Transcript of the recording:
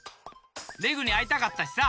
レグにあいたかったしさ。